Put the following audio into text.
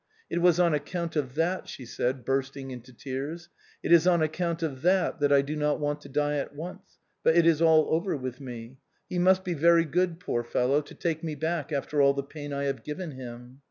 It was on account of that," she said, bursting into tears, " it is on account of that that I do not want to die at once, but it is all over with me. He must be very good, poor fellow, to take me back after all the pain I have given him.